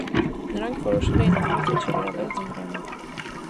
Նրանք որոշել էին ամրոցը չգրավել ձմռանը։